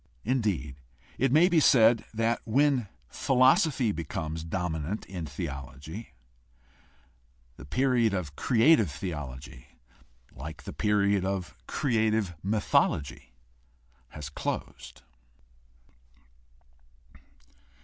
Indeed, it may be said that when philosophy becomes dominant in theology the period of creative theology, like the period of creative mythology, has closed.